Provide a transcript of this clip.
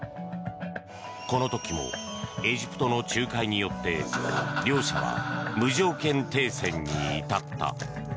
この時もエジプトの仲介によって両者は無条件停戦に至った。